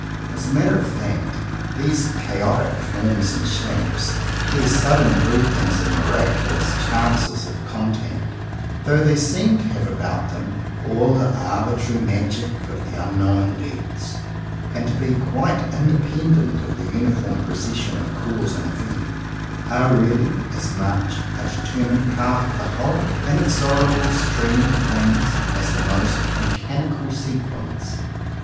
As a matter of fact these "cha otic" forms and shapes, these sudden group ings and miraculous chances of contact, though they seem to have about them all the arbitrary magic of the unknown depths, and to be quite independent of the uniform procession of cause and effect, are really as much a determined part of the whole in exorable stream of things as the most mechanical sequences.